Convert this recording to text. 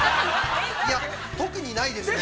◆いや、特にないですね。